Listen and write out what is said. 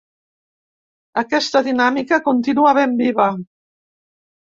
Aquesta dinàmica continua ben viva.